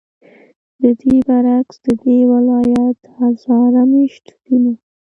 ددې برعکس، ددې ولایت هزاره میشتو سیمو